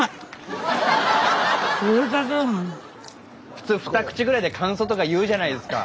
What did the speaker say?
普通２口ぐらいで感想とか言うじゃないですか。